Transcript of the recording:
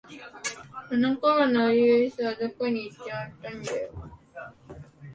あの頃の初々しさはどこにいっちまったんだよ。